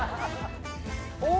お！